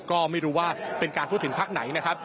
ก็ไม่รู้ว่าเป็นการพูดถึงพักไหนนะครับ